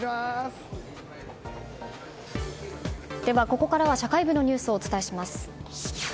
ここからは社会部のニュースをお伝えします。